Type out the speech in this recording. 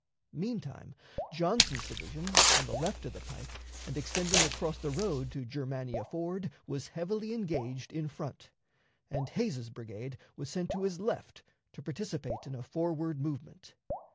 Meantime, Johnson's division, on the left of the pike, and extending across the road to Germania Ford, was heavily engaged in front, and Hays's brigade was sent to his left to participate in a forward movement.